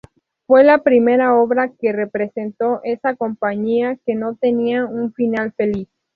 Fue la primera obra que representó esa compañía que no tenía un final feliz.